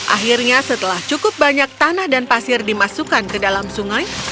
akhirnya setelah cukup banyak tanah dan pasir dimasukkan ke dalam sungai